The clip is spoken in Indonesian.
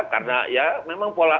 karena ya memang pola